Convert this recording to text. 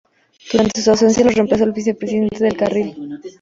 Durante sus ausencias lo reemplazó el vicepresidente Del Carril.